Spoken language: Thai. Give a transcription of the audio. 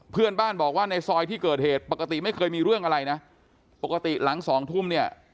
เพื่อนบ้านบอกว่าในซอยที่เกิดเหตุปกติไม่เคยมีเรื่องอะไรนะปกติหลังสองทุ่มเนี่ย